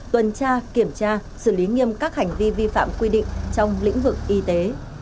tuần tra kiểm tra xử lý nghiêm các hành vi vi phạm quy định trong lĩnh vực y tế